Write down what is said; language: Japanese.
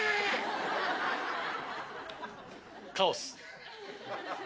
カオス。